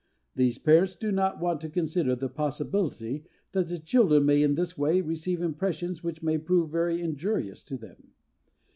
These parents do not want to consider the possibility that the children may in this way receive impressions which may prove very injurious to them.